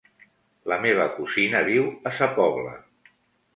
La meva cosina viu a Sa Pobla.